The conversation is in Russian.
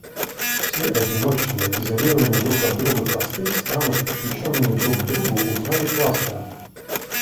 Все одиночные, изолированные друг от друга хосты станут подключенными друг к другу узлами кластера